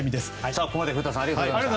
ここまで古田さんありがとうございました。